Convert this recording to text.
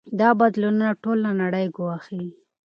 دا بدلونونه ټوله نړۍ ګواښي.